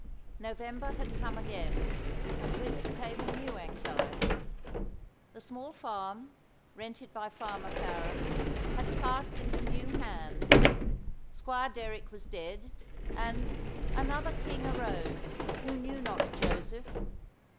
November had come again; and with it came a new anxiety. The small farm, rented by Farmer Farren, had passed into new hands. Squire Derrick was dead, and "another king arose, who knew not Joseph."